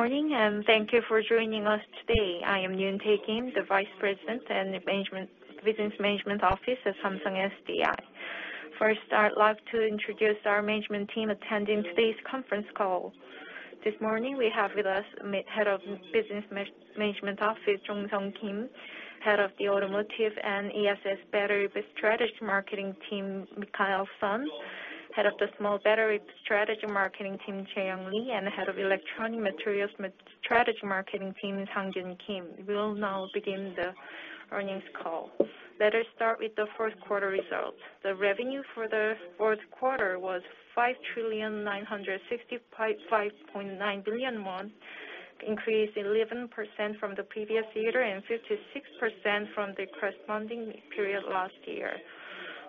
Good morning. Thank you for joining us today. I am Yoontae Kim, the Vice President and Business Management Office of Samsung SDI. First, I'd like to introduce our management team attending today's conference call. This morning we have with us Head of Business Management Office, Jong Sung Kim, Head of the Automotive and ESS Battery Strategic Marketing Team, Michael Son, Head of the Small Battery Strategic Marketing Team, Jae-Yong Lee, and Head of Electronic Materials Strategic Marketing Team, Sang-Kyun Kim. We will now begin the earnings call. Let us start with the Q4 results. The revenue for the Q4 was 5 trillion 965.9 billion, increased 11% from the previous quarter and 56% from the corresponding period last year.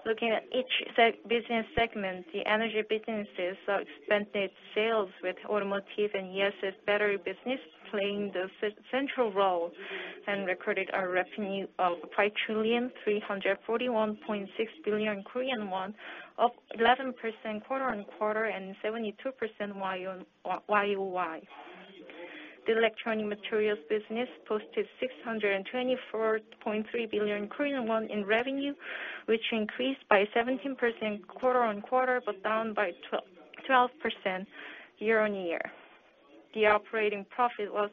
Looking at each business segment, the energy businesses saw expanded sales with automotive and ESS battery business playing the central role and recorded a revenue of 5,341.6 billion Korean won, up 11% quarter-on-quarter and 72% year-on-year. The Electronic Materials business posted 624.3 billion Korean won in revenue, which increased by 17% quarter-on-quarter, but down by 12% year-on-year. The operating profit was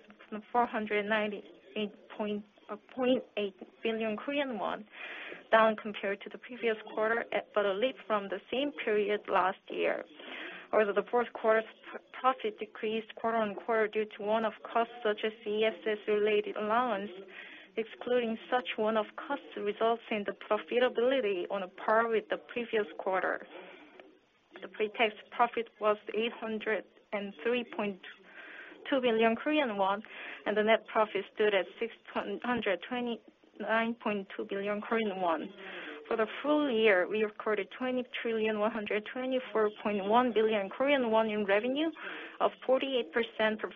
498.8 billion Korean won, down compared to the previous quarter, but a leap from the same period last year. Although the Q4's profit decreased quarter-on-quarter due to one-off costs such as ESS-related allowance, excluding such one-off costs results in the profitability on par with the previous quarter. The pre-tax profit was 803.2 billion Korean won, and the net profit stood at 629.2 billion Korean won. For the full year, we recorded 20,124.1 billion Korean won in revenue of 48%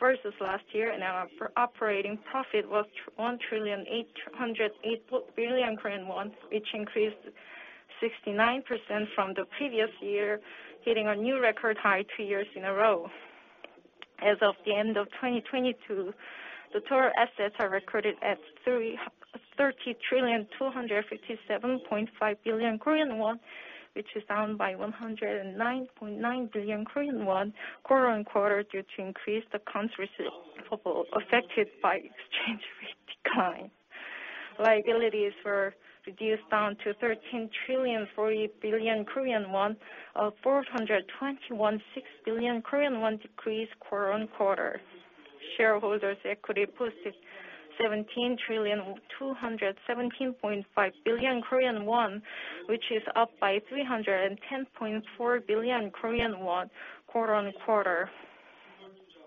versus last year, and our operating profit was 1,808 billion Korean won, which increased 69% from the previous year, hitting a new record high two years in a row. As of the end of 2022, the total assets are recorded at 30,257.5 billion Korean won, which is down by 109.9 billion Korean won quarter-on-quarter due to increased accounts receivable affected by exchange rate decline. Liabilities were reduced down to 13 trillion 40 billion of 421.6 billion Korean won decreased quarter-on-quarter. Shareholders' equity posted 17 trillion 217.5 billion, which is up by 310.4 billion Korean won quarter-on-quarter.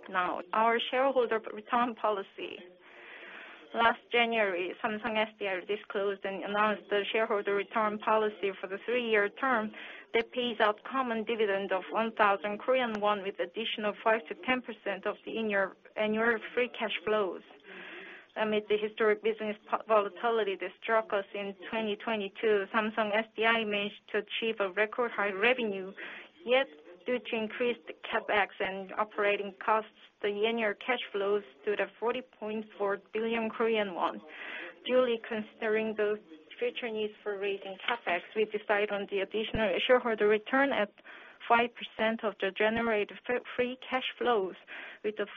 Now, our shareholder return policy. Last January, Samsung SDI disclosed and announced the shareholder return policy for the three-year term that pays out common dividend of 1,000 Korean won with additional 5%-10% of the annual free cash flows. Amid the historic business volatility that struck us in 2022, Samsung SDI managed to achieve a record high revenue, yet due to increased CapEx and operating costs, the annual cash flows stood at 40.4 billion Korean won. Duly considering the future needs for raising CapEx, we decide on the additional shareholder return at 5% of the generated free cash flows with the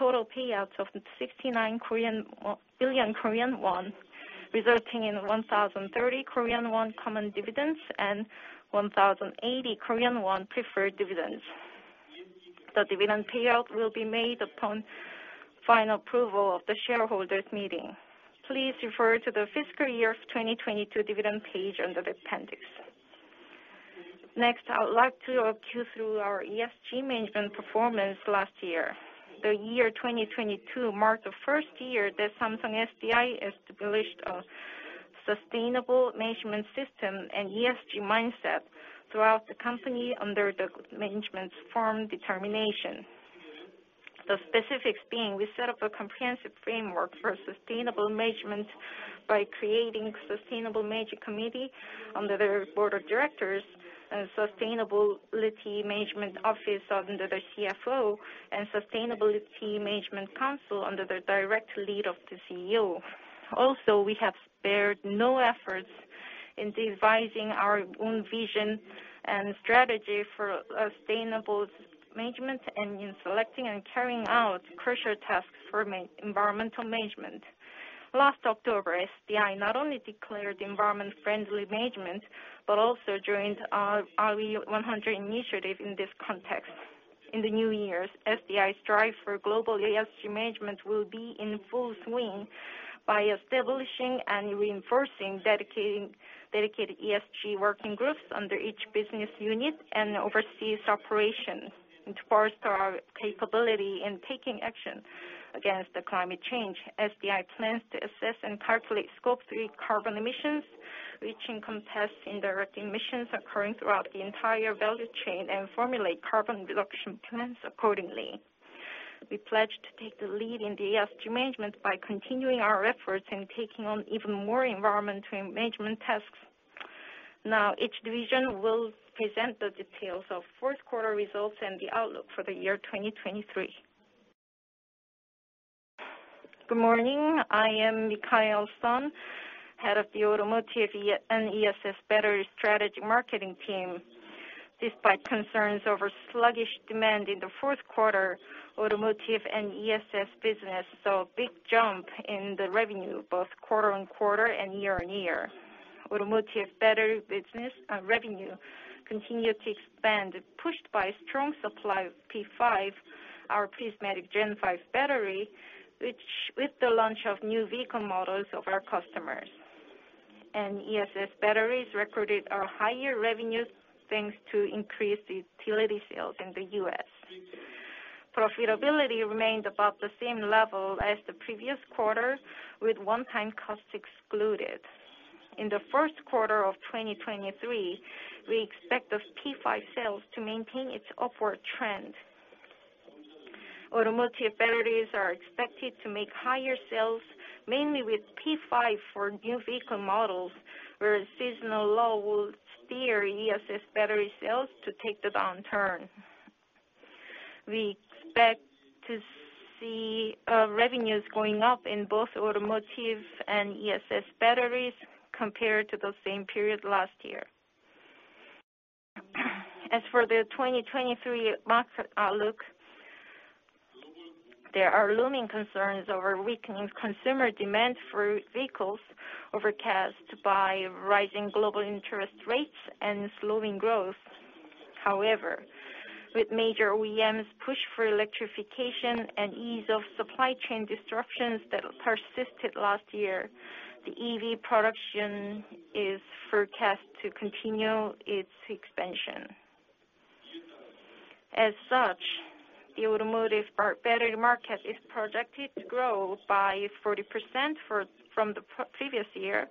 total payouts of 69 billion Korean won, resulting in 1,030 Korean won common dividends and 1,080 Korean won preferred dividends. The dividend payout will be made upon final approval of the shareholders meeting. Please refer to the fiscal year 2022 dividend page under the appendix. Next, I would like to walk you through our ESG management performance last year. The year 2022 marked the first year that Samsung SDI established a sustainable management system and ESG mindset throughout the company under the management's firm determination. The specifics being, we set up a comprehensive framework for sustainable management by creating Sustainability Management Committee under the Board of Directors and Sustainability Management Office under the CFO and Sustainability Management Council under the direct lead of the CEO. Also, we have spared no efforts in devising our own vision and strategy for sustainable management and in selecting and carrying out crucial tasks for environmental management. Last October, SDI not only declared environment-friendly management but also joined our RE100 initiative in this context. In the new years, SDI's drive for global ESG management will be in full swing by establishing and reinforcing dedicated ESG working groups under each business unit and overseas operations to foster our capability in taking action against the climate change. SDI plans to assess and calculate Scope three carbon emissions, which encompass indirect emissions occurring throughout the entire value chain, and formulate carbon reduction plans accordingly. We pledge to take the lead in the ESG management by continuing our efforts and taking on even more environmental management tasks. Each division will present the details of Q3 results and the outlook for the year 2023. Good morning. I am Michael Son, Head of the Automotive and ESS Battery Strategic Marketing Team. Despite concerns over sluggish demand in the Q4, automotive and ESS business saw a big jump in the revenue, both quarter-on-quarter and year-on-year. Automotive battery business revenue continued to expand, pushed by strong supply of P5, our prismatic Gen 5 battery, which with the launch of new vehicle models of our customers. ESS batteries recorded a higher revenue, thanks to increased utility sales in the U..S. Profitability remained about the same level as the previous quarter, with one-time costs excluded. In the Q1 of 2023, we expect those P5 sales to maintain its upward trend. Automotive batteries are expected to make higher sales, mainly with P5 for new vehicle models, where seasonal low will steer ESS battery sales to take the downturn. We expect to see revenues going up in both automotive and ESS batteries compared to the same period last year. As for the 2023 market outlook, there are looming concerns over weakening consumer demand for vehicles overcast by rising global interest rates and slowing growth. However, with major OEMs push for electrification and ease of supply chain disruptions that persisted last year, the EV production is forecast to continue its expansion. As such, the automotive battery market is projected to grow by 40% from the previous year,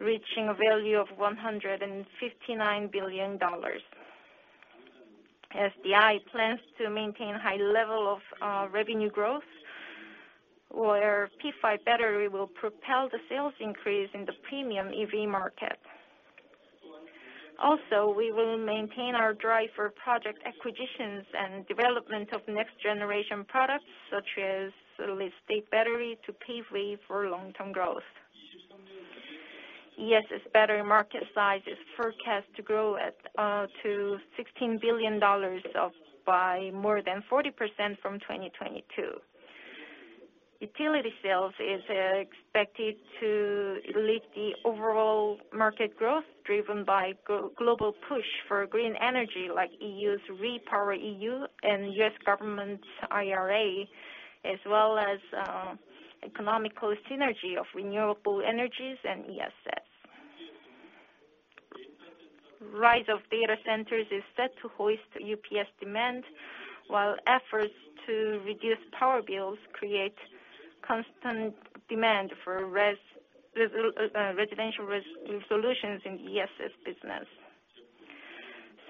reaching a value of $159 billion. SDI plans to maintain high level of revenue growth, where P5 battery will propel the sales increase in the premium EV market. Also, we will maintain our drive for project acquisitions and development of next generation products, such as solid-state battery to pave way for long-term growth. ESS battery market size is forecast to grow to $16 billion by more than 40% from 2022. Utility sales is expected to lead the overall market growth, driven by global push for green energy, like EU's REPowerEU and U.S. government's IRA, as well as economical synergy of renewable energies and ESS. Rise of data centers is set to hoist UPS demand, while efforts to reduce power bills create constant demand for residential solutions in ESS business.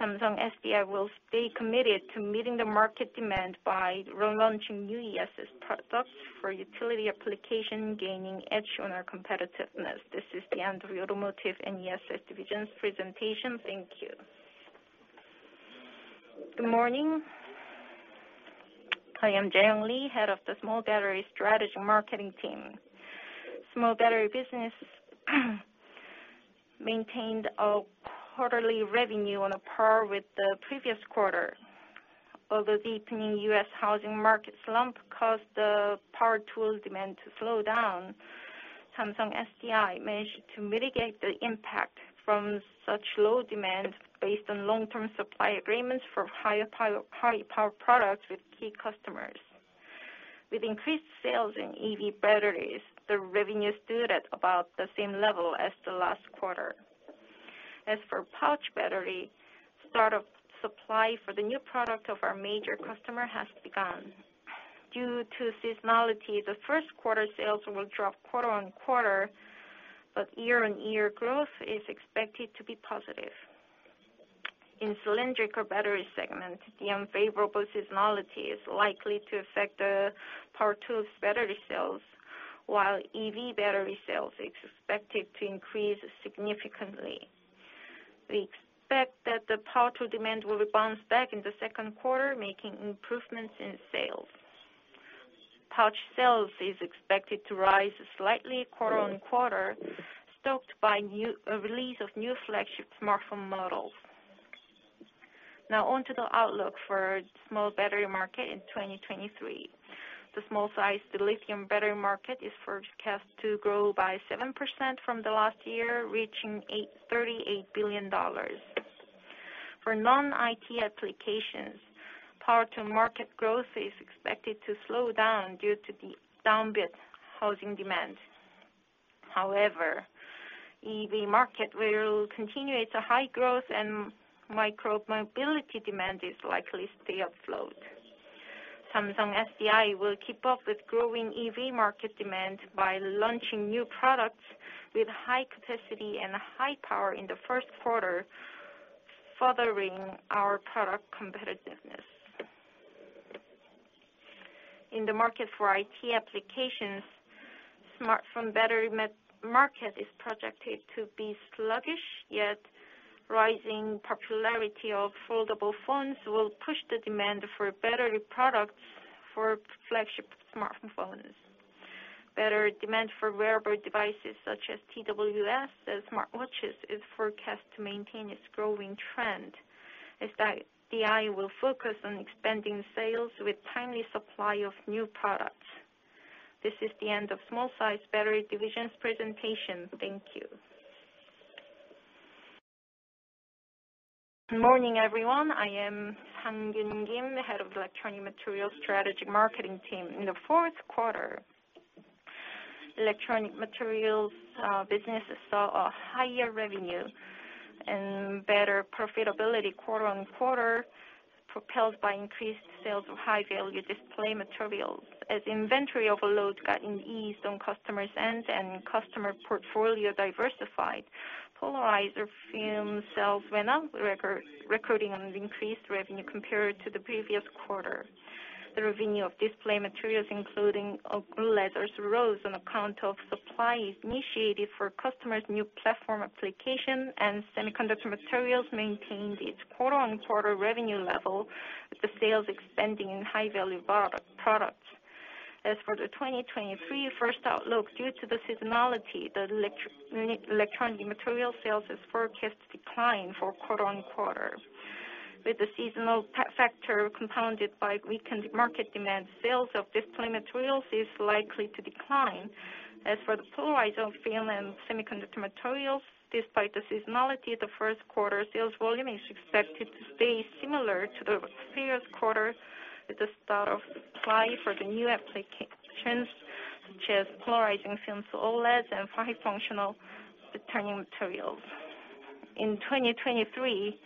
Samsung SDI will stay committed to meeting the market demand by relaunching new ESS products for utility application, gaining edge on our competitiveness. This is the end of Automotive and ESS division's presentation. Thank you. Good morning. I am Jae-Yong Lee, head of the Small Battery Strategy Marketing Team. Small battery business maintained a quarterly revenue on a par with the previous quarter. Although deepening U.S. housing market slump caused the power tool demand to slow down, Samsung SDI managed to mitigate the impact from such low demand based on long-term supply agreements for higher pile, high power products with key customers. With increased sales in EV batteries, the revenue stood at about the same level as the last quarter. As for pouch battery, startup supply for the new product of our major customer has begun. Due to seasonality, the Q1 sales will drop quarter-over-quarter. Year-over-year growth is expected to be positive. In cylindrical battery segment, the unfavorable seasonality is likely to affect the power tools battery sales, while EV battery sales is expected to increase significantly. We expect that the power tool demand will bounce back in the second quarter, making improvements in sales. Pouch sales is expected to rise slightly quarter-over-quarter, stoked by a release of new flagship smartphone models. On to the outlook for small battery market in 2023. The small size lithium battery market is forecast to grow by 7% from the last year, reaching $38 billion. For non-IT applications, power tool market growth is expected to slow down due to the down bid housing demand. EV market will continue its high growth, and micro mobility demand is likely to stay afloat. Samsung SDI will keep up with growing EV market demand by launching new products with high capacity and high power in the Q1, furthering our product competitiveness. In the market for IT applications, smartphone battery market is projected to be sluggish, rising popularity of foldable phones will push the demand for battery products for flagship smartphone phones. Better demand for wearable devices such as TWS and smartwatches is forecast to maintain its growing trend. SDI will focus on expanding sales with timely supply of new products. This is the end of small-sized battery division's presentation. Thank you. Morning, everyone. I am Sang-Kyun Kim, the Head of Electronic Materials Strategic Marketing Team. In the Q4, electronic materials business saw a higher revenue and better profitability quarter-on-quarter, propelled by increased sales of high-value display materials. As inventory overloads gotten eased on customer's end and customer portfolio diversified, polarizer film sales went up record, recording on increased revenue compared to the previous quarter. The revenue of display materials, including glue layers, rose on account of supplies initiated for customer's new platform application, and semiconductor materials maintained its quarter-on-quarter revenue level, with the sales expanding in high-value products. As for the 2023 first outlook, due to the seasonality, the electronic material sales is forecast to decline for quarter-on-quarter. With the seasonal factor compounded by weakened market demand, sales of display materials is likely to decline. The polarizer film and semiconductor materials, despite the seasonality, the Q1 sales volume is expected to stay similar to the previous quarter at the start of supply for the new applications, such as polarizing films, OLEDs, and high-functional materials. In 2023,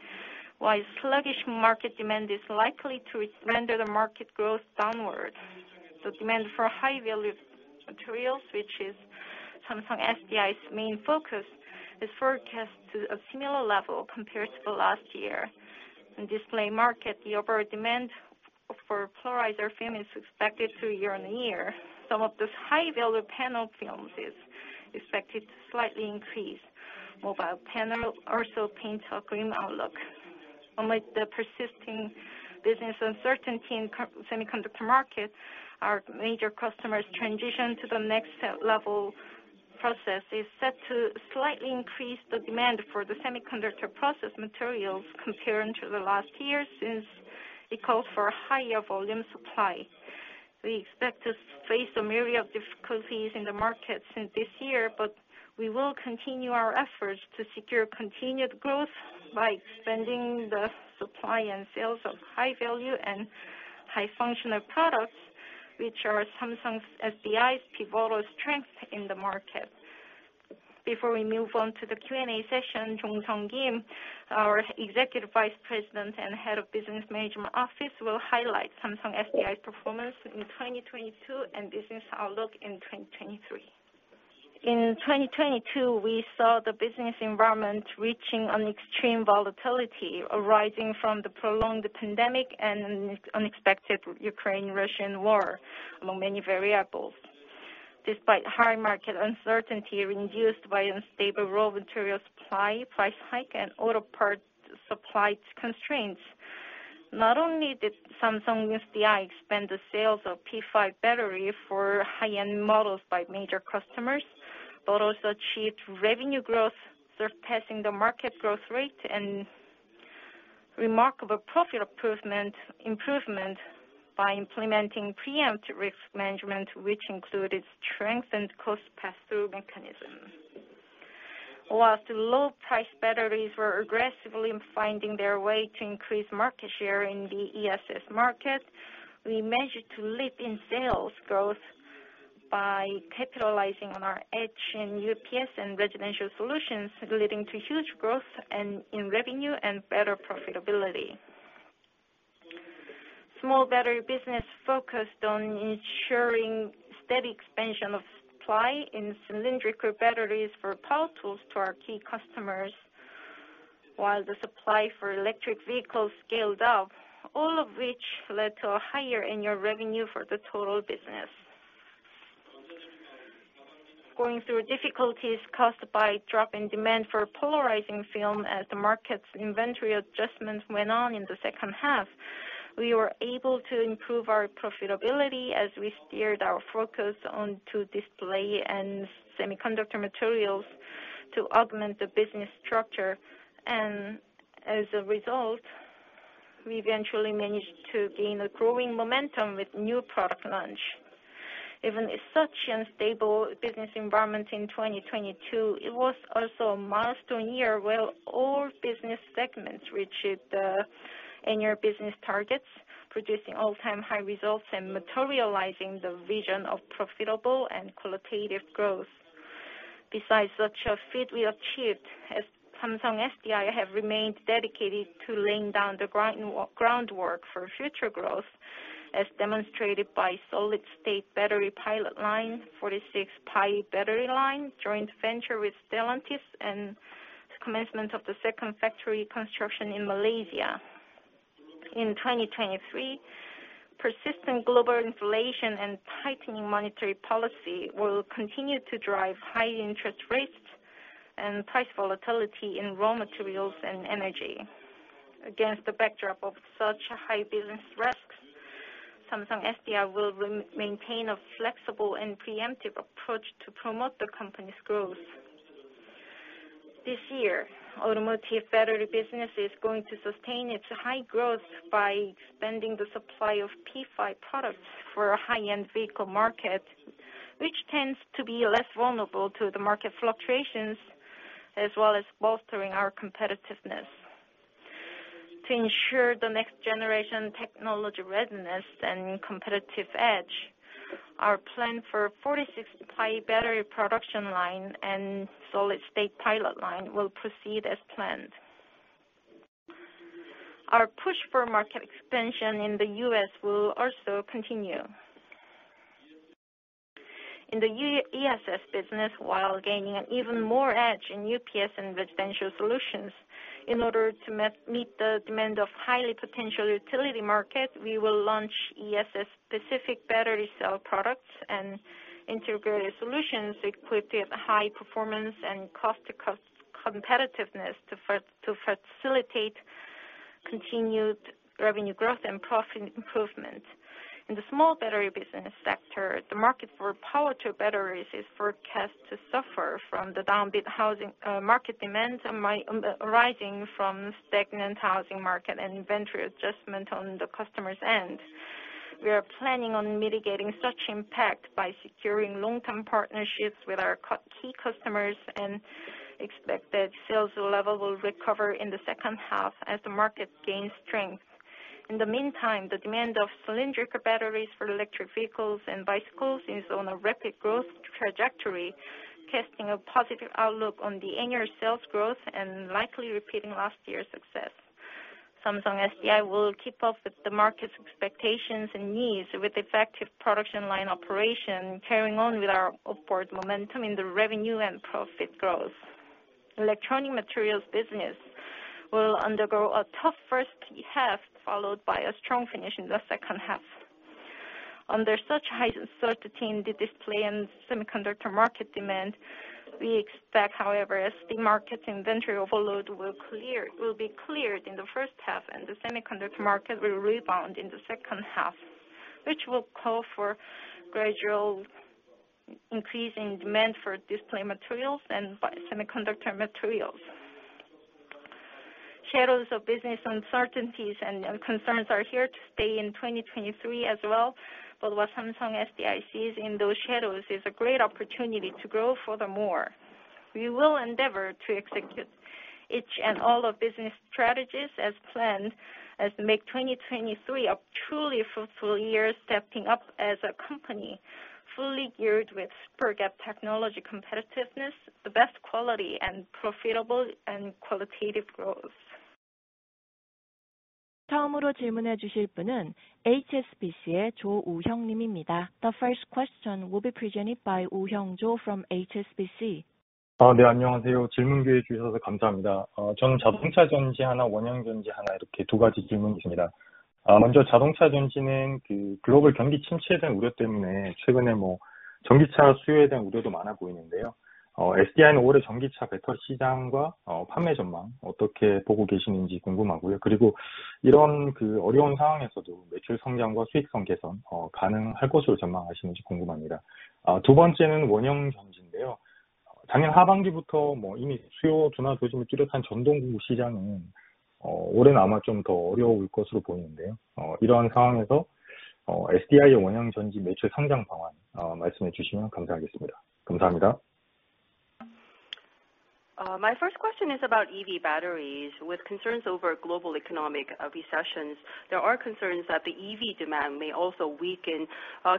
while sluggish market demand is likely to render the market growth downward, the demand for high-value materials, which is Samsung SDI's main focus, is forecast to a similar level compared to the last year. In display market, the overall demand for polarizer film is expected to year-on-year. Some of those high-value panel films is expected to slightly increase. Mobile panel also paints a grim outlook. Unlike the persisting business uncertainty in the semiconductor market, our major customers transition to the next level process is set to slightly increase the demand for the semiconductor process materials compared to the last year, since it calls for higher volume supply. We expect to face a myriad of difficulties in the market since this year, but we will continue our efforts to secure continued growth by expanding the supply and sales of high value and high functional products, which are Samsung SDI's pivotal strength in the market. Before we move on to the Q&A session, Jong Sung Kim, our Executive Vice President and Head of Business Management Office, will highlight Samsung SDI performance in 2022 and business outlook in 2023. In 2022, we saw the business environment reaching an extreme volatility arising from the prolonged pandemic and an unexpected Ukraine-Russian war, among many variables. Despite high market uncertainty induced by unstable raw material supply, price hike, and auto part supply constraints, not only did Samsung SDI expand the sales of P5 battery for high-end models by major customers, but also achieved revenue growth surpassing the market growth rate and remarkable profit improvement by implementing preempt risk management, which included strengthened cost pass-through mechanism. Low-priced batteries were aggressively finding their way to increase market share in the ESS market, we managed to leap in sales growth by capitalizing on our edge in UPS and residential solutions, leading to huge growth in revenue and better profitability. Small battery business focused on ensuring steady expansion of supply in cylindrical batteries for power tools to our key customers, while the supply for electric vehicles scaled up, all of which led to a higher annual revenue for the total business. Going through difficulties caused by drop in demand for polarizer film as the market's inventory adjustments went on in the H2, we were able to improve our profitability as we steered our focus onto display and semiconductor materials to augment the business structure. As a result, we eventually managed to gain a growing momentum with new product launch. Even in such unstable business environment in 2022, it was also a milestone year where all business segments reached the annual business targets, producing all-time high results and materializing the vision of profitable and qualitative growth. Besides such a feat we achieved, as Samsung SDI have remained dedicated to laying down the groundwork for future growth, as demonstrated by solid-state battery pilot line, 46-phi battery line, joint venture with Stellantis, The commencement of the second factory construction in Malaysia. In 2023, persistent global inflation and tightening monetary policy will continue to drive high interest rates and price volatility in raw materials and energy. Against the backdrop of such high business risks, Samsung SDI will re-maintain a flexible and preemptive approach to promote the company's growth. This year, automotive battery business is going to sustain its high growth by expanding the supply of P5 products for a high-end vehicle market, which tends to be less vulnerable to the market fluctuations, as well as bolstering our competitiveness. To ensure the next generation technology readiness and competitive edge, our plan for 46-phi battery production line and solid-state pilot line will proceed as planned. Our push for market expansion in the U.S. will also continue. In the U-ESS business, while gaining an even more edge in UPS and residential solutions. In order to meet the demand of highly potential utility market, we will launch ESS specific battery cell products and integrated solutions equipped with high performance and cost competitiveness to facilitate continued revenue growth and profit improvement. In the small battery business sector, the market for power tool batteries is forecast to suffer from the downbeat housing market demand arising from stagnant housing market and inventory adjustment on the customer's end. We are planning on mitigating such impact by securing long-term partnerships with our key customers and expect that sales level will recover in the H2 as the market gains strength. In the meantime, the demand of cylindrical batteries for electric vehicles and bicycles is on a rapid growth trajectory, testing a positive outlook on the annual sales growth and likely repeating last year's success. Samsung SDI will keep up with the market's expectations and needs with effective production line operation, carrying on with our upward momentum in the revenue and profit growth. Electronic materials business will undergo a tough H1, followed by a strong finish in the H2. Under such high certainty in the display and semiconductor market demand, we expect however, as the market inventory overload will be cleared in the H1 and the semiconductor market will rebound in the H2, which will call for gradual increase in demand for display materials and semiconductor materials. Shadows of business uncertainties and concerns are here to stay in 2023 as well. What Samsung SDI sees in those shadows is a great opportunity to grow furthermore. We will endeavor to execute each and all of business strategies as planned as to make 2023 a truly fruitful year, stepping up as a company fully geared with super-gap technology competitiveness, the best quality and profitable and qualitative growth. The first question will be presented by Woo-Hyung Cho from HSBC. My first question is about EV batteries. With concerns over global economic recessions, there are concerns that the EV demand may also weaken.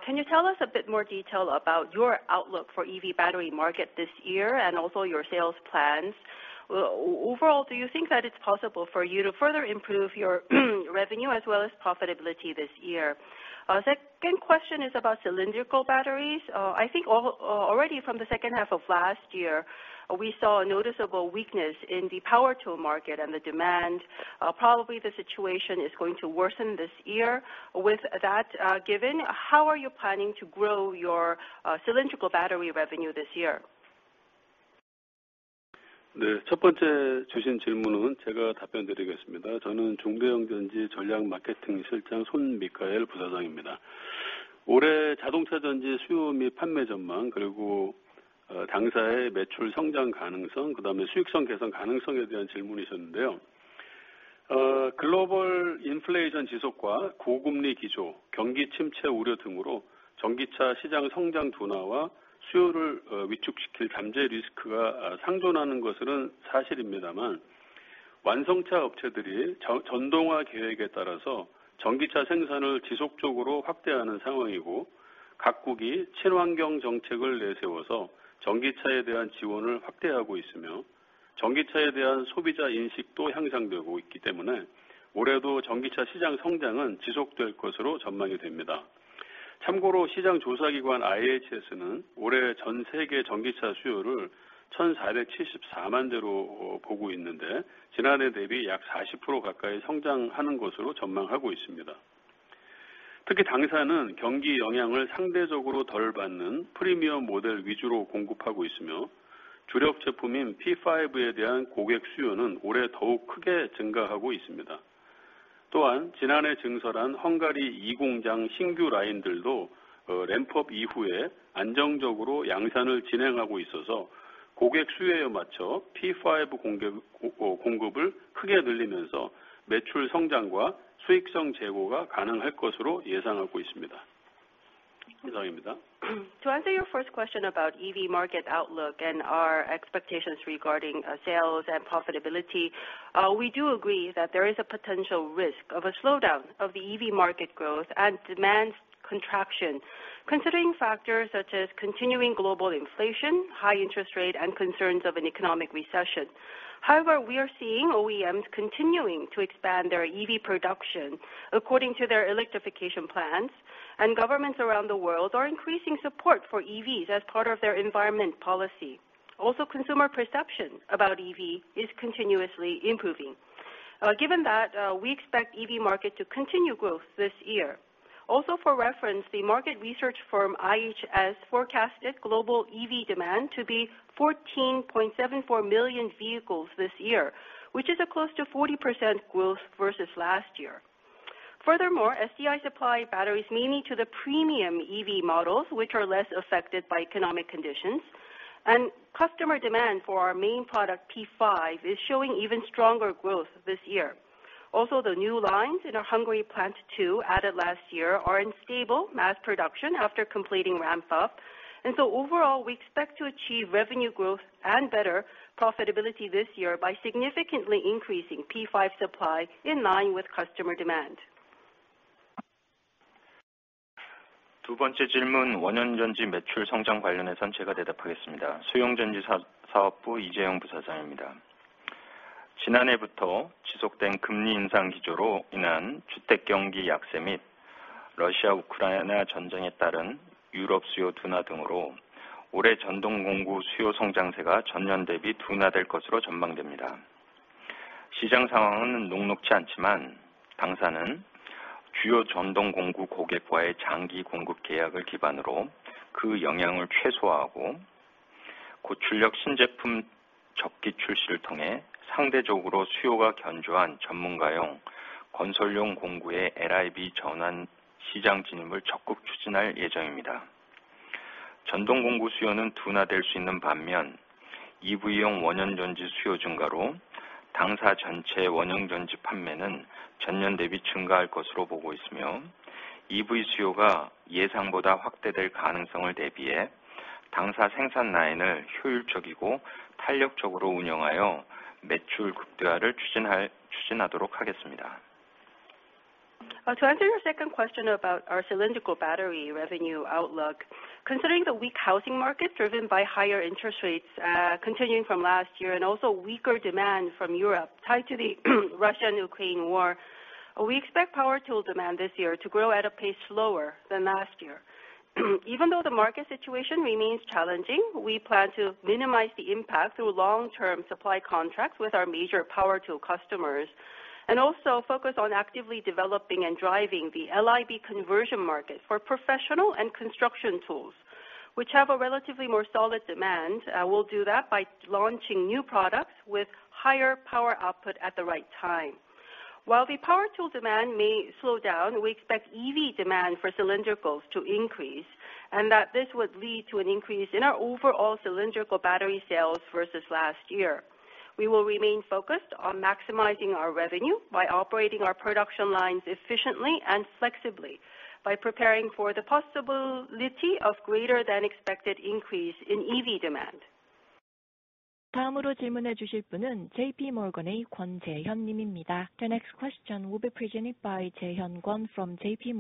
Can you tell us a bit more detail about your outlook for EV battery market this year and also your sales plans? Overall, do you think that it's possible for you to further improve your revenue as well as profitability this year? Second question is about cylindrical batteries. I think already from the H2 of last year, we saw a noticeable weakness in the power tool market and the demand. Probably the situation is going to worsen this year. With that, given, how are you planning to grow your cylindrical battery revenue this year? To answer your first question about EV market outlook and our expectations regarding sales and profitability, we do agree that there is a potential risk of a slowdown of the EV market growth and demand contraction considering factors such as continuing global inflation, high interest rate, and concerns of an economic recession. However, we are seeing OEMs continuing to expand their EV production according to their electrification plans, and governments around the world are increasing support for EVs as part of their environment policy. Consumer perception about EV is continuously improving. Given that, we expect EV market to continue growth this year. For reference, the market research firm IHS forecasted global EV demand to be 14.74 million vehicles this year, which is a close to 40% growth versus last year. Furthermore, SDI supply batteries mainly to the premium EV models, which are less affected by economic conditions, and customer demand for our main product, P5, is showing even stronger growth this year. The new lines in our Hungary plant two added last year are in stable mass production after completing ramp up, overall, we expect to achieve revenue growth and better profitability this year by significantly increasing P5 supply in line with customer demand. To answer your second question about our cylindrical battery revenue outlook, considering the weak housing market driven by higher interest rates, continuing from last year and also weaker demand from Europe tied to the Russia-Ukraine war, we expect power tool demand this year to grow at a pace slower than last year. Even though the market situation remains challenging, we plan to minimize the impact through long-term supply contracts with our major power tool customers and also focus on actively developing and driving the LIB conversion market for professional and construction tools, which have a relatively more solid demand. We'll do that by launching new products with higher power output at the right time. While the power tool demand may slow down, we expect EV demand for cylindricals to increase and that this would lead to an increase in our overall cylindrical battery sales versus last year. We will remain focused on maximizing our revenue by operating our production lines efficiently and flexibly by preparing for the possibility of greater than expected increase in EV demand. The next question will be presented by Jay Hyun Kwon from JP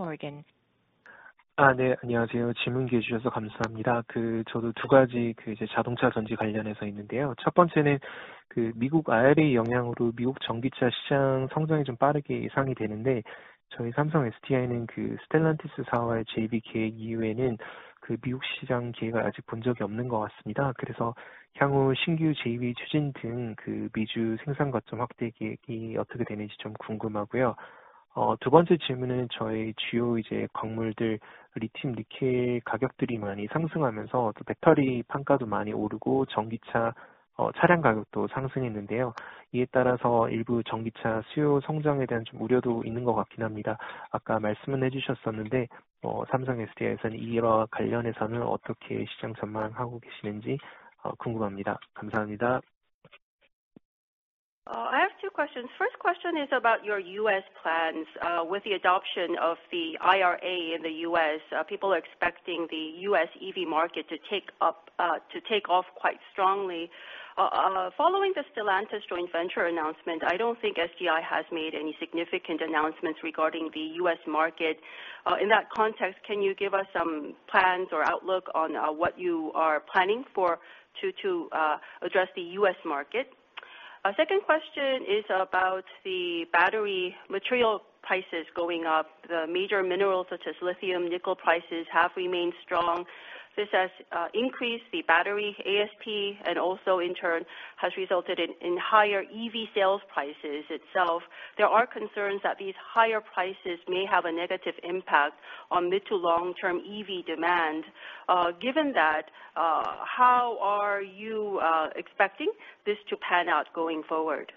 Morgan. I have two questions. First question is about your U.S. Plans. With the adoption of the IRA in the U.S., people are expecting the U.S. EV market to take off quite strongly. Following the Stellantis joint venture announcement, I don't think SDI has made any significant announcements regarding the U.S. market. In that context, can you give us some plans or outlook on what you are planning for to address the U.S. market? Our second question is about the battery material prices going up. The major minerals such as lithium, nickel prices have remained strong. This has increased the battery ASP and also in turn has resulted in higher EV sales prices itself. There are concerns that these higher prices may have a negative impact on mid to long term EV demand. Given that, how are you expecting this to pan out going forward?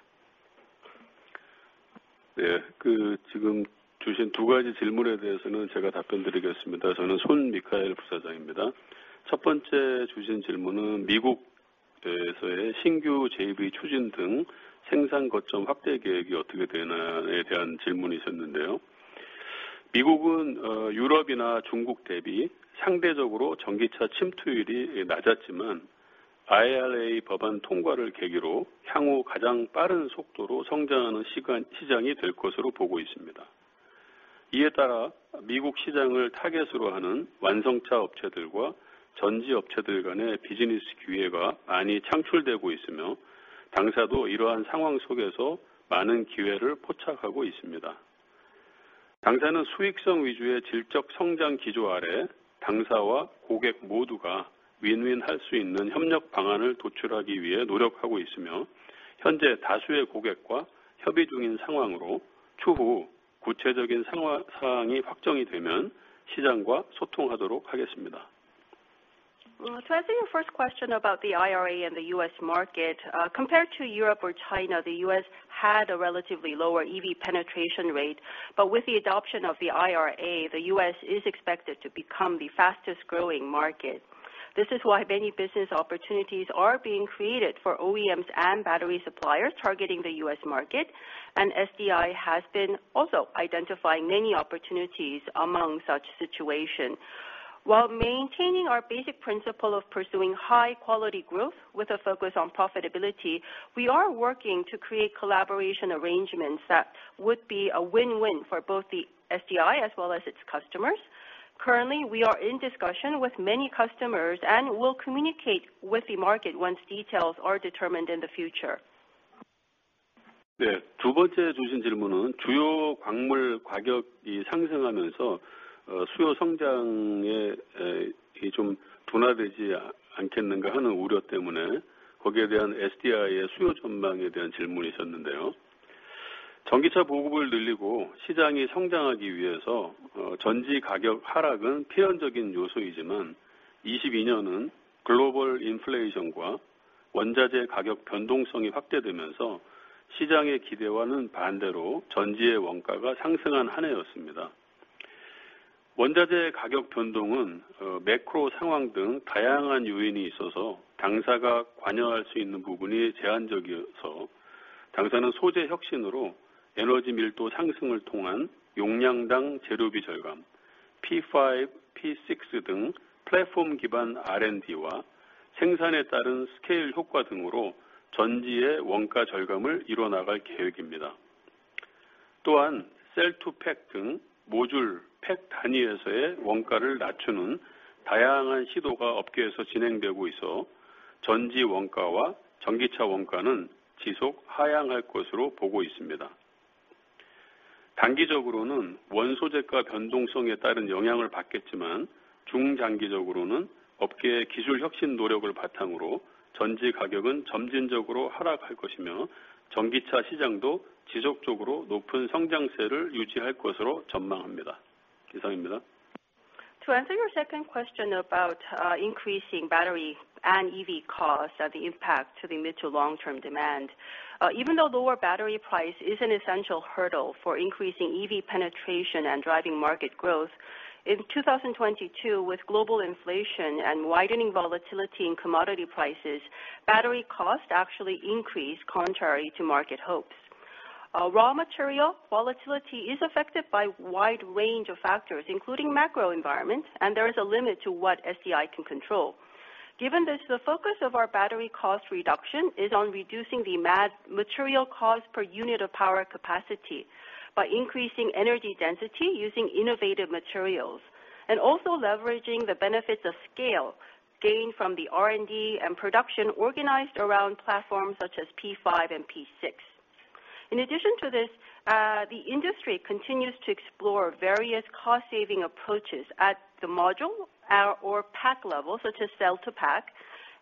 To answer your first question about the IRA and the U.S. market, compared to Europe or China, the U.S. had a relatively lower EV penetration rate. With the adoption of the IRA, the U.S. is expected to become the fastest growing market. This is why many business opportunities are being created for OEMs and battery suppliers targeting the U.S. market. SDI has been also identifying many opportunities among such situation. While maintaining our basic principle of pursuing high-quality growth with a focus on profitability, we are working to create collaboration arrangements that would be a win-win for both the SDI as well as its customers. Currently, we are in discussion with many customers and will communicate with the market once details are determined in the future. To answer your second question about increasing battery and EV costs and the impact to the mid to long term demand. Even though lower battery price is an essential hurdle for increasing EV penetration and driving market growth, in 2022, with global inflation and widening volatility in commodity prices, battery costs actually increased contrary to market hopes. Raw material volatility is affected by wide range of factors, including macro environments, and there is a limit to what SDI can control. Given this, the focus of our battery cost reduction is on reducing the material cost per unit of power capacity by increasing energy density using innovative materials and also leveraging the benefits of scale gained from the R&D and production organized around platforms such as P5 and P6. In addition to this, the industry continues to explore various cost saving approaches at the module or pack level, such as Cell-to-Pack,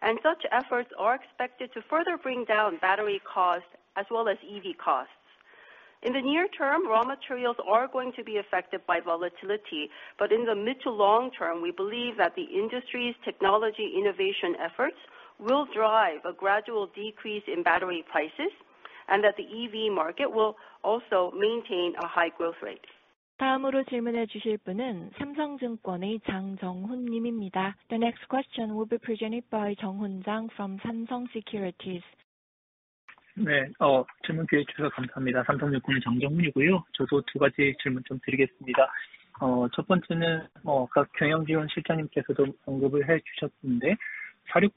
and such efforts are expected to further bring down battery costs as well as EV costs. In the near term, raw materials are going to be affected by volatility, but in the mid to long term, we believe that the industry's technology innovation efforts will drive a gradual decrease in battery prices, and that the EV market will also maintain a high growth rate. The next question will be presented by Junghoon Chang from Samsung Securities. Yeah.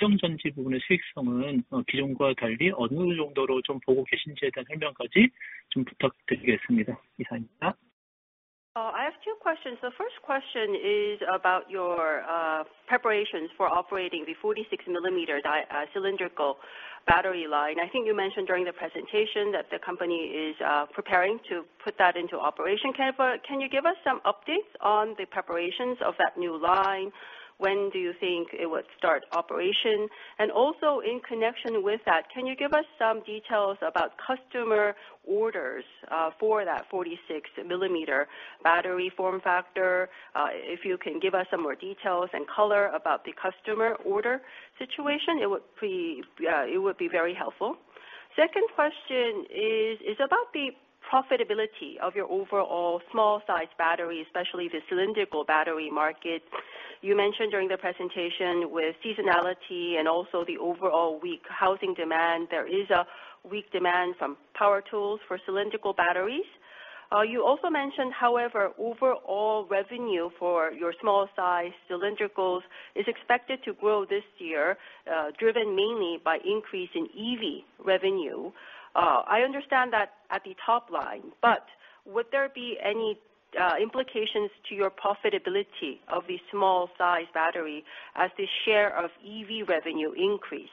I have two questions. The first question is about your preparations for operating the 46 millimeter cylindrical battery line. I think you mentioned during the presentation that the company is preparing to put that into operation. Can you give us some updates on the preparations of that new line? When do you think it would start operation? Also in connection with that, can you give us some details about customer orders for that 46 millimeter battery form factor? If you can give us some more details and color about the customer order situation, it would be very helpful. Second question is about the profitability of your overall small-sized battery, especially the cylindrical battery market. You mentioned during the presentation with seasonality and also the overall weak housing demand, there is a weak demand from power tools for cylindrical batteries. You also mentioned, however, overall revenue for your small size cylindricals is expected to grow this year, driven mainly by increase in EV revenue. I understand that at the top line, but would there be any implications to your profitability of the small size battery as the share of EV revenue increase?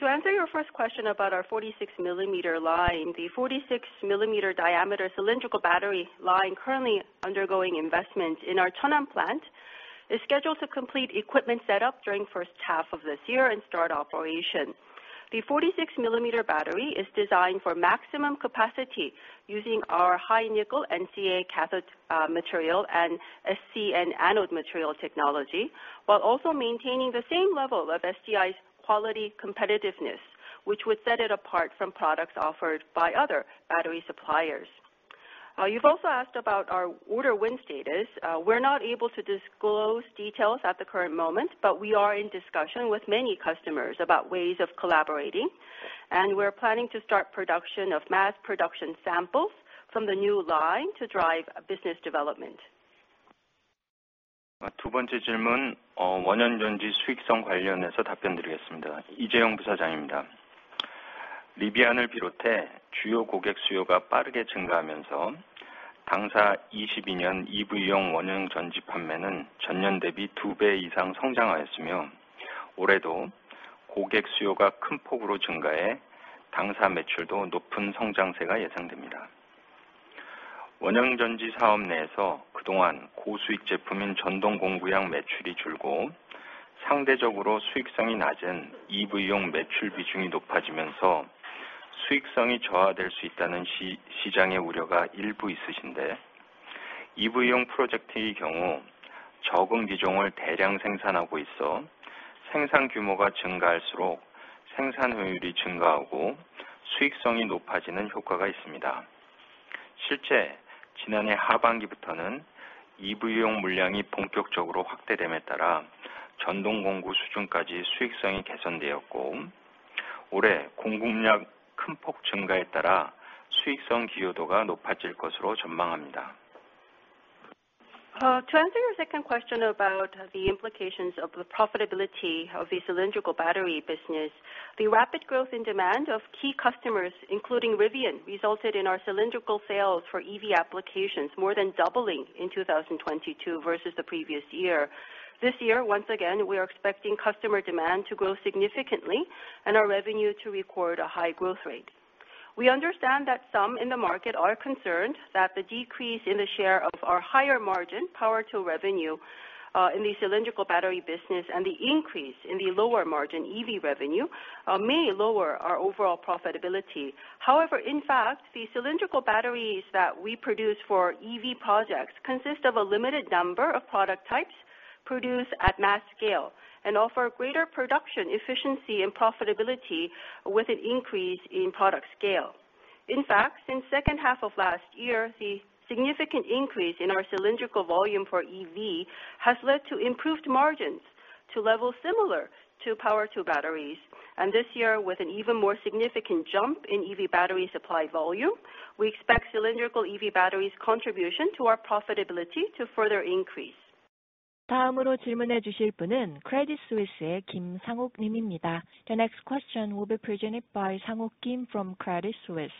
To answer your first question about our 46-millimeter line, the 46-millimeter diameter cylindrical battery line currently undergoing investment in our Cheonan plant is scheduled to complete equipment set up during H1 of this year and start operation. The 46-millimeter battery is designed for maximum capacity using our high nickel NCA cathode material and SCN anode material technology, while also maintaining the same level of SDI's quality competitiveness, which would set it apart from products offered by other battery suppliers. You've also asked about our order win status. We're not able to disclose details at the current moment, we are in discussion with many customers about ways of collaborating, we're planning to start production of mass production samples from the new line to drive business development. To answer your second question about the implications of the profitability of the cylindrical battery business, the rapid growth in demand of key customers, including Rivian, resulted in our cylindrical sales for EV applications more than doubling in 2022 versus the previous year. This year, once again, we are expecting customer demand to grow significantly and our revenue to record a high growth rate. We understand that some in the market are concerned that the decrease in the share of our higher margin power tool revenue in the cylindrical battery business and the increase in the lower margin EV revenue may lower our overall profitability. However, in fact, the cylindrical batteries that we produce for EV projects consist of a limited number of product types produced at mass scale and offer greater production efficiency and profitability with an increase in product scale. In fact, since H2 of last year, the significant increase in our cylindrical volume for EV has led to improved margins to levels similar to Power2 batteries. This year, with an even more significant jump in EV battery supply volume, we expect cylindrical EV batteries contribution to our profitability to further increase. The next question will be presented by Sang-Uk Kim from Credit Suisse.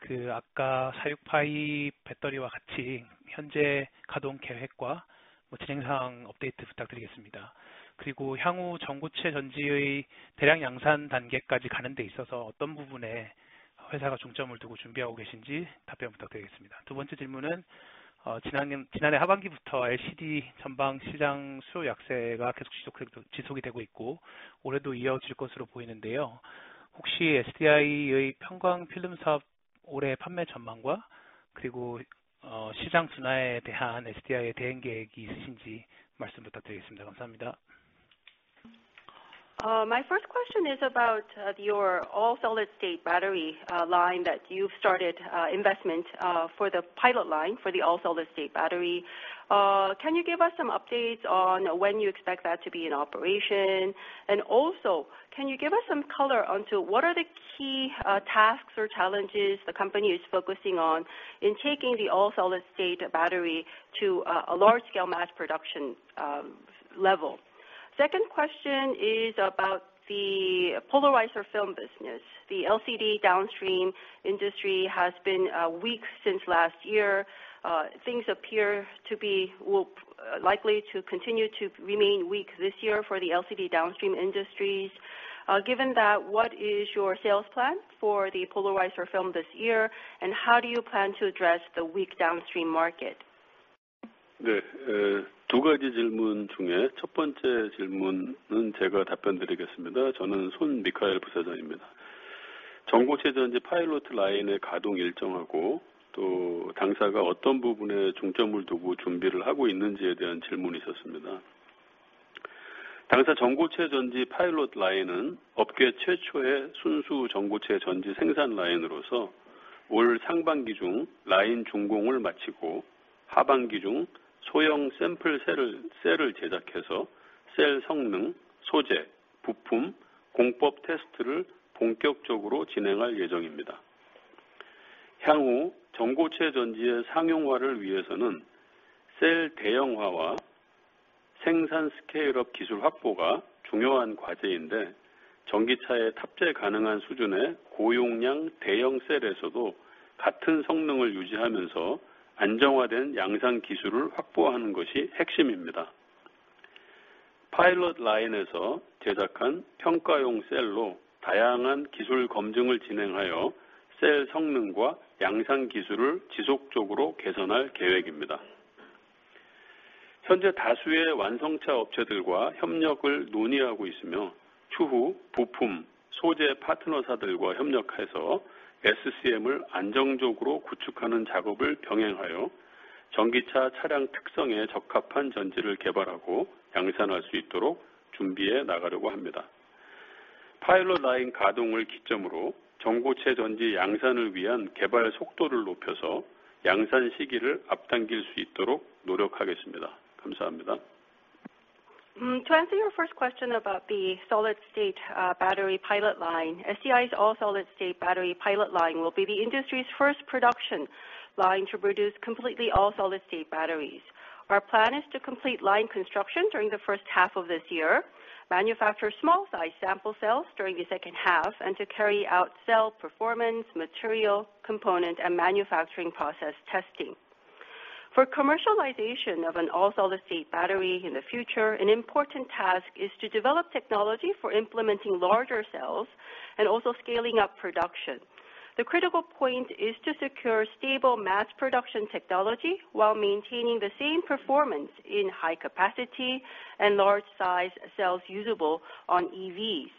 My first question is about your all-solid-state battery line that you've started investment for the pilot line for the all-solid-state battery. Can you give us some updates on when you expect that to be in operation? Can you give us some color onto what are the key tasks or challenges the company is focusing on in taking the all-solid-state battery to a large scale mass production level? Second question is about the polarizer film business. The LCD downstream industry has been weak since last year. Things appear to be likely to continue to remain weak this year for the LCD downstream industries. Given that, what is your sales plan for the polarizer film this year, and how do you plan to address the weak downstream market? To answer your first question about the solid-state battery pilot line, SDI's all-solid-state battery pilot line will be the industry's first production line to produce completely all-solid-state batteries. Our plan is to complete line construction during the H1 of this year, manufacture small size sample cells during the H2, and to carry out cell performance, material component and manufacturing process testing. For commercialization of an all-solid-state battery in the future, an important task is to develop technology for implementing larger cells and also scaling up production. The critical point is to secure stable mass production technology while maintaining the same performance in high capacity and large size cells usable on EVs.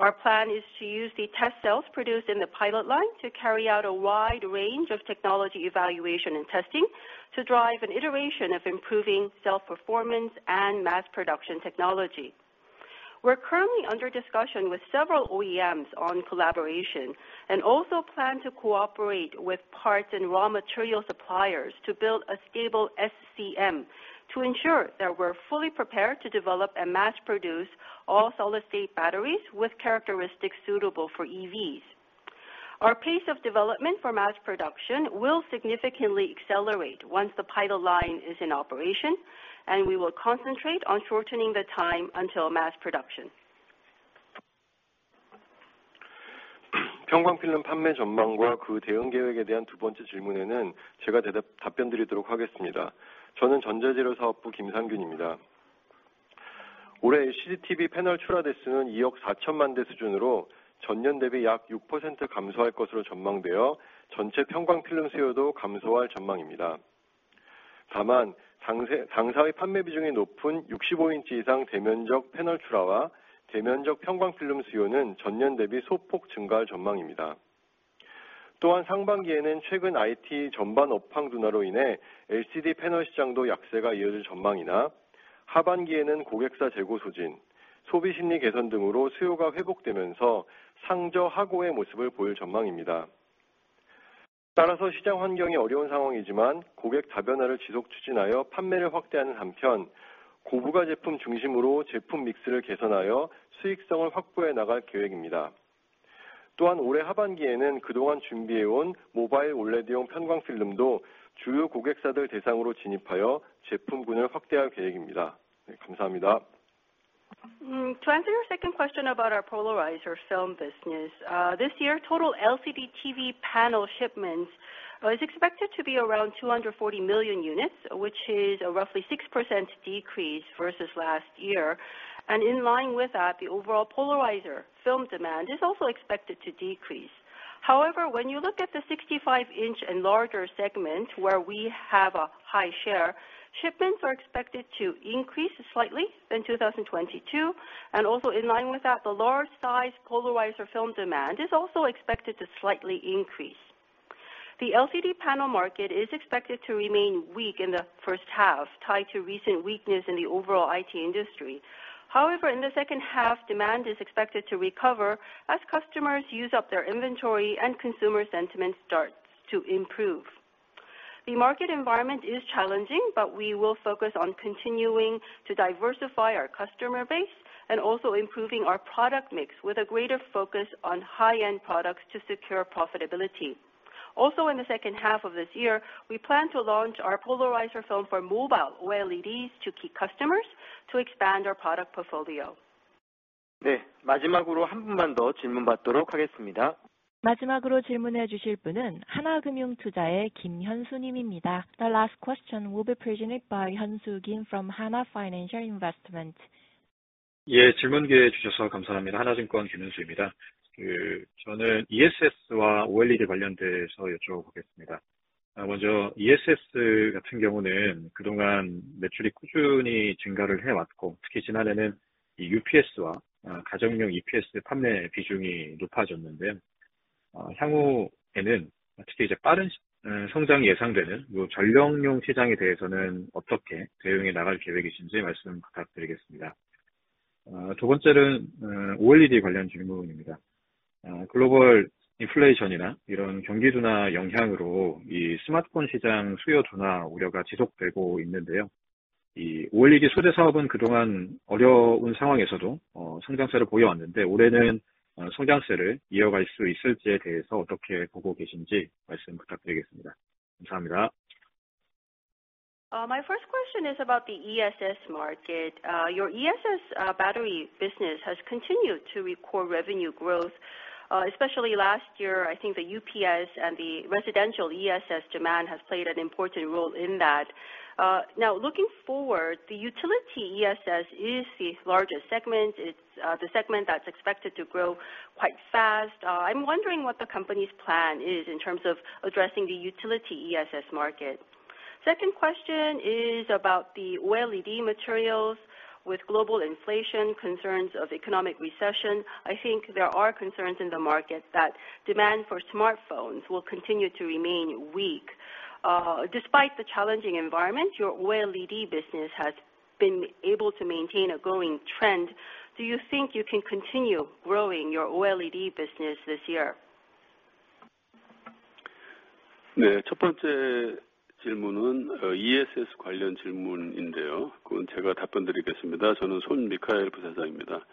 Our plan is to use the test cells produced in the pilot line to carry out a wide range of technology evaluation and testing to drive an iteration of improving cell performance and mass production technology. We're currently under discussion with several OEMs on collaboration and also plan to cooperate with parts and raw material suppliers to build a stable SCM to ensure that we're fully prepared to develop and mass produce all-solid-state batteries with characteristics suitable for EVs. Our pace of development for mass production will significantly accelerate once the pilot line is in operation, and we will concentrate on shortening the time until mass production. 편광필름 판매 전망과 그 대응 계획에 대한 second 질문에는 제가 답변드리도록 하겠습니다. 저는 전자재료사업부 김상균입니다. 올해 CCTV 패널 출하 대수는 240,000,000 대 수준으로 전년 대비 약 6% 감소할 것으로 전망되어 전체 편광필름 수요도 감소할 전망입니다. 다만 당사의 판매 비중이 높은 65 inch 이상 대면적 패널 출하와 대면적 편광필름 수요는 전년 대비 소폭 증가할 전망입니다. 상반기에는 최근 IT 전반 업황 둔화로 인해 LCD 패널 시장도 약세가 이어질 전망이나, 하반기에는 고객사 재고 소진, 소비심리 개선 등으로 수요가 회복되면서 상저하고의 모습을 보일 전망입니다. 시장 환경이 어려운 상황이지만 고객 다변화를 지속 추진하여 판매를 확대하는 한편, 고부가 제품 중심으로 제품 믹스를 개선하여 수익성을 확보해 나갈 계획입니다. 올해 하반기에는 그동안 준비해 온 모바일 OLED용 편광필름도 주요 고객사들 대상으로 진입하여 제품군을 확대할 계획입니다. 감사합니다. To answer your second question about our polarizer film business. This year total LCD TV panel shipments is expected to be around 240 million units, which is a roughly 6% decrease versus last year. In line with that, the overall polarizer film demand is also expected to decrease. However, when you look at the 65 inch and larger segment where we have a high share, shipments are expected to increase slightly in 2022. Also in line with that, the large size polarizer film demand is also expected to slightly increase. The LCD panel market is expected to remain weak in the H1, tied to recent weakness in the overall IT industry. However, in the H2, demand is expected to recover as customers use up their inventory and consumer sentiment starts to improve. The market environment is challenging. We will focus on continuing to diversify our customer base and also improving our product mix with a greater focus on high-end products to secure profitability. In the H2 of this year, we plan to launch our polarizer film for mobile OLEDs to key customers to expand our product portfolio. 네, 마지막으로 한 분만 더 질문 받도록 하겠습니다. 마지막으로 질문해 주실 분은 하나금융투자의 김현수님입니다. The last question will be presented by Hyun-Soo Kim from Hana Financial Investment. 질문 기회 주셔서 감사합니다. Hana Securities Hyun-Soo Kim입니다. 저는 ESS와 OLED 관련해서 여쭤보겠습니다. 먼저 ESS 같은 경우는 그동안 매출이 꾸준히 증가를 해왔고, 특히 지난해는 이 UPS와 가정용 EPS 판매 비중이 높아졌는데요. 향후에는 특히 빠른 성장이 예상되는 전력용 시장에 대해서는 어떻게 대응해 나갈 계획이신지 말씀 부탁드리겠습니다. 두 번째는 OLED 관련 질문입니다. 글로벌 인플레이션이나 이런 경기 둔화 영향으로 이 스마트폰 시장 수요 둔화 우려가 지속되고 있는데요. 이 OLED 소재 사업은 그동안 어려운 상황에서도 성장세를 보여왔는데, 올해는 성장세를 이어갈 수 있을지에 대해서 어떻게 보고 계신지 말씀 부탁드리겠습니다. 감사합니다. My first question is about the ESS market. Your ESS battery business has continued to record revenue growth, especially last year, I think the UPS and the residential ESS demand has played an important role in that. Looking forward, the utility ESS is the largest segment. It's the segment that's expected to grow quite fast. I'm wondering what the company's plan is in terms of addressing the utility ESS market. Second question is about the OLED materials with global inflation concerns of economic recession. I think there are concerns in the market that demand for smartphones will continue to remain weak. Despite the challenging environment, your OLED business has been able to maintain a growing trend. Do you think you can continue growing your OLED business this year? 네, 첫 번째 질문은 ESS 관련 질문인데요. 그건 제가 답변드리겠습니다. 저는 Michael Son 부사장입니다.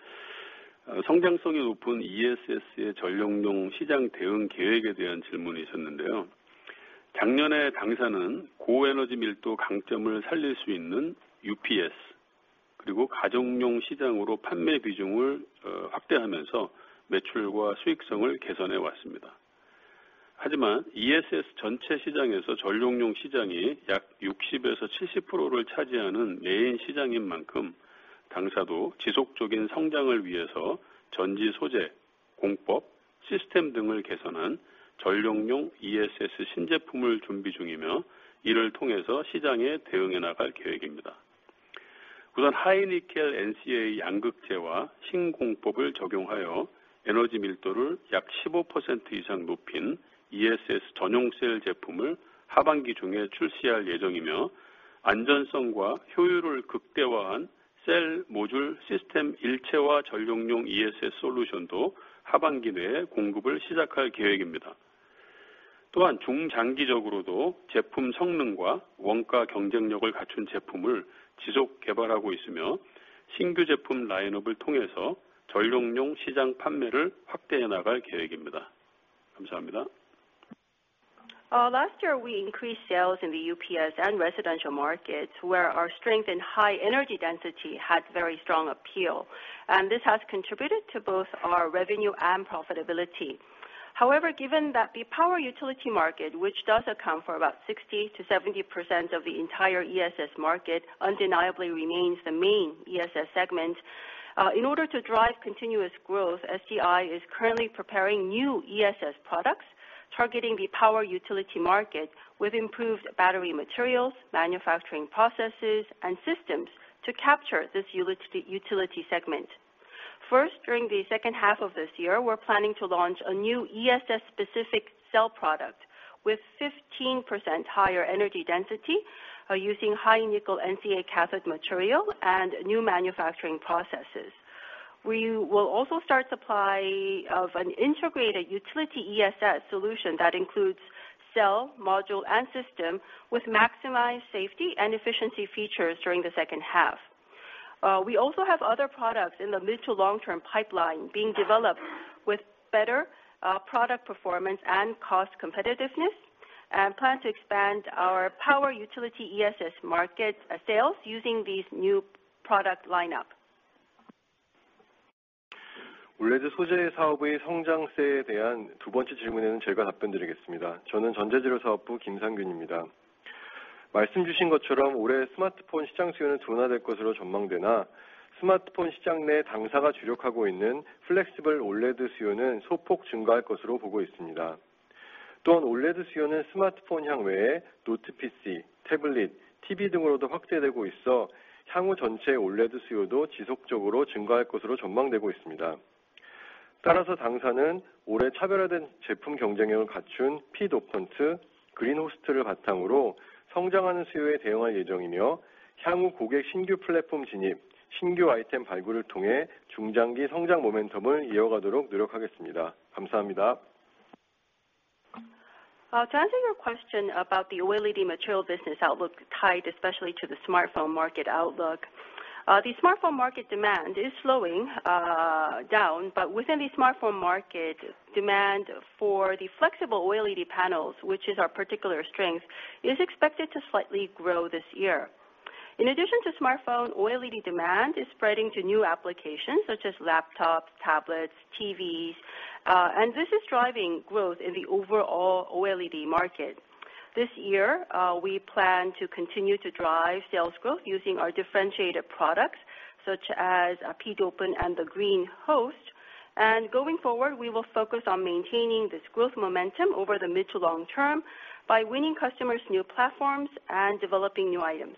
성장성이 높은 ESS의 전력용 시장 대응 계획에 대한 질문이셨는데요. 작년에 당사는 고에너지 밀도 강점을 살릴 수 있는 UPS 그리고 가정용 시장으로 판매 비중을 확대하면서 매출과 수익성을 개선해 왔습니다. ESS 전체 시장에서 전력용 시장이 약 60%-70%를 차지하는 메인 시장인 만큼, 당사도 지속적인 성장을 위해서 전지 소재, 공법, 시스템 등을 개선한 전용용 ESS 신제품을 준비 중이며, 이를 통해서 시장에 대응해 나갈 계획입니다. 우선 high-nickel NCA 양극재와 신공법을 적용하여 에너지 밀도를 약 15% 이상 높인 ESS 전용 셀 제품을 하반기 중에 출시할 예정이며, 안전성과 효율을 극대화한 셀 모듈 시스템 일체화 전용용 ESS 솔루션도 하반기 내에 공급을 시작할 계획입니다. 또한 중장기적으로도 제품 성능과 원가 경쟁력을 갖춘 제품을 지속 개발하고 있으며, 신규 제품 라인업을 통해서 전용용 시장 판매를 확대해 나갈 계획입니다. 감사합니다. Last year we increased sales in the UPS and residential markets where our strength in high energy density had very strong appeal. This has contributed to both our revenue and profitability. However, given that the power utility market, which does account for about 60%-70% of the entire ESS market, undeniably remains the main ESS segment. In order to drive continuous growth, SDI is currently preparing new ESS products targeting the power utility market with improved battery materials, manufacturing processes, and systems to capture this utility segment. First, during the H2 of this year, we're planning to launch a new ESS-specific cell product with 15% higher energy density, using high nickel NCA cathode material and new manufacturing processes. We will also start supply of an integrated utility ESS solution that includes cell, module, and system with maximized safety and efficiency features during the H2. We also have other products in the mid to long-term pipeline being developed with better product performance and cost competitiveness, and plan to expand our power utility ESS market sales using these new product lineup. To answer your question about the OLED material business outlook tied especially to the smartphone market outlook, the smartphone market demand is slowing down, but within the smartphone market, demand for the flexible OLED panels, which is our particular strength, is expected to slightly grow this year. In addition to smartphone, OLED demand is spreading to new applications such as laptops, tablets, TVs, and this is driving growth in the overall OLED market. This year, we plan to continue to drive sales growth using our differentiated products such as p-dopant and the green-host. Going forward, we will focus on maintaining this growth momentum over the mid to long term by winning customers' new platforms and developing new items.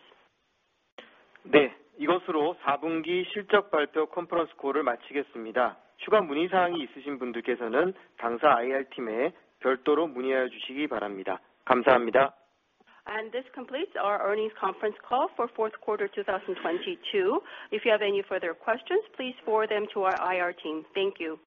This completes our earnings conference call for Q4 2022. If you have any further questions, please forward them to our IR team. Thank you.